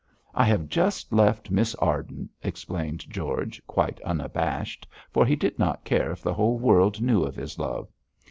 'I have just left Miss Arden,' explained George, quite unabashed, for he did not care if the whole world knew of his love.